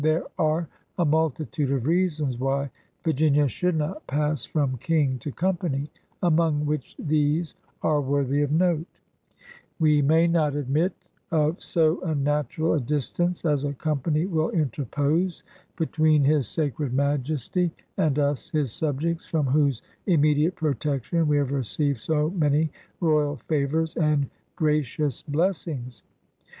There are a multitude of reasons why Virginia should not pass from King to Company, among which these are worthy of note: ^^We may not admit of so unnatural a dis tance as a Company will interpose between his 188 PIONEERS OF THE OLD SOUTH sacred majesty and us his subjects from whose immediate protection we have received so many royal favours and gracious blessings.